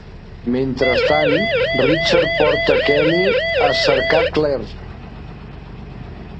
Mentrestant, Richard porta Kenny a cercar Claire.